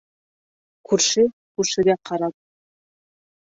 Күрше күршегә ҡарар.